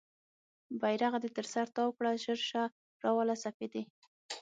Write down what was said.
بیرغ دې تر سر تاو کړه ژر شه راوله سپیدې